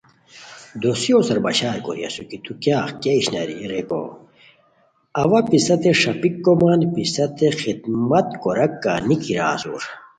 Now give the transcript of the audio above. دوسی ہو سار بشار کوری اسور کی تو کیاغ کیہ اشناری؟ ریکو اوا پِستے ݰاپیک کومان پِستے خدمت کوراک کا نیکی را اسور